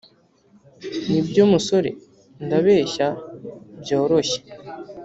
nibyo, musore, ndabeshya byoroshye,